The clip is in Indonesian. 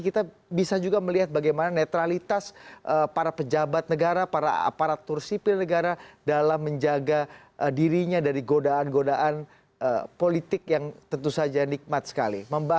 kita bisa juga melihat bagaimana netralitas para pejabat negara para aparatur sipil negara dalam menjaga dirinya dari godaan godaan politik yang tentu saja nikmat sekali